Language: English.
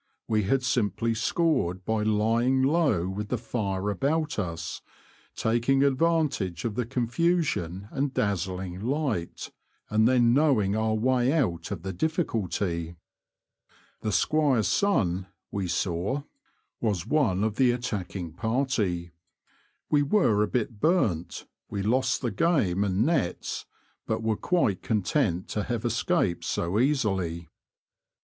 We had simply scored by lying low with the fire about us, taking advantage of the confusion and dazzling light, and then knowing our way out of the difiiculty. The squire's son, we saw, was one The Confessions of a Poacher, 163 of the attacking party. We were a bit burnt, we lost the game and nets, but were quite content to have escaped so easily.